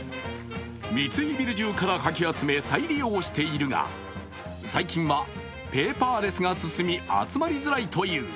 三井ビル中からかき集め、再利用しているが最近はペーパーレスが進み集まりづらいという。